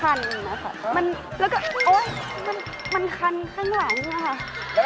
มันมันรู้สึกคันนะคะมันแล้วก็โอ๊ยมันมันคันคันหลายเลยค่ะ